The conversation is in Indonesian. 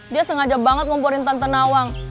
dia sengaja banget ngumpulin tante nawang